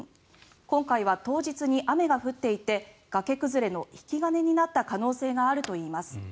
今回は当日に雨が降っていて崖崩れの引き金になった可能性があるといいます。